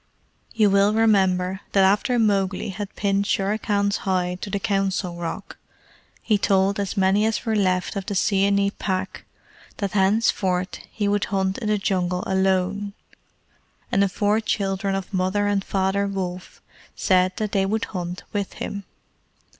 You will remember that after Mowgli had pinned Shere Khan's hide to the Council Rock, he told as many as were left of the Seeonee Pack that henceforward he would hunt in the Jungle alone; and the four children of Mother and Father Wolf said that they would hunt with him.